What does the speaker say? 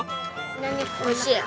おいしい！